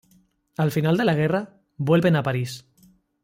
Al final de la guerra vuelven a París.